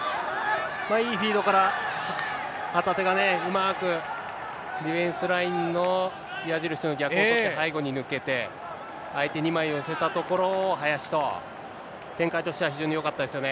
いいフィードから、旗手がね、うまくディフェンスラインの矢印の逆を取ってサイドに抜けて、相手２枚を競ったところ、林と、展開としては非常によかったですよね。